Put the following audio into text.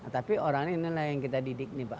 tapi orangnya inilah yang kita didik nih pak